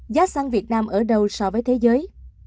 giá xăng việt nam ở đâu so với thế giới